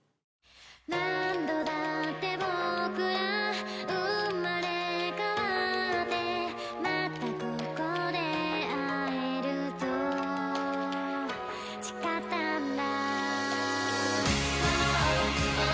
何度だって僕ら生まれ変わってまたここで会えると誓ったんだ